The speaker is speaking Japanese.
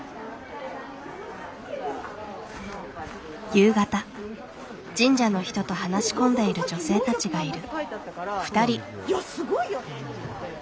夕方神社の人と話し込んでいる女性たちがいる。